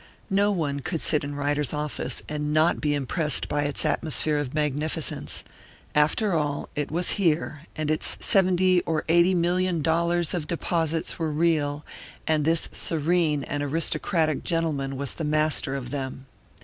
No one could sit in Ryder's office and not be impressed by its atmosphere of magnificence; after all, it was here, and its seventy or eighty million dollars of deposits were real, and this serene and aristocratic gentleman was the master of them.